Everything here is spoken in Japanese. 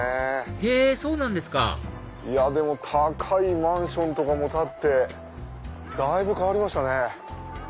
へぇそうなんですかでも高いマンションとかも建ってだいぶ変わりましたね。